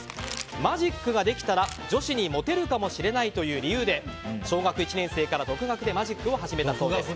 マジックができたら女子にモテるかもしれないという理由で小学１年生から独学でマジックを始めたそうです。